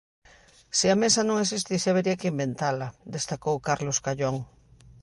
"Se A Mesa non existise habería que inventala", destacou Carlos Callón.